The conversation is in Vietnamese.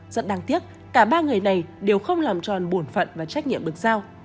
rất đáng tiếc cả ba người này đều không làm tròn bổn phận và trách nhiệm được giao